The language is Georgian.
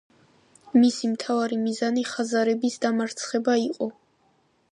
მისი მთავარი მიზანი ხაზარების დამარცხება იყო.